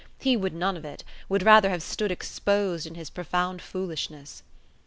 He would none of it; would rather have stood exposed in his profound foolishness.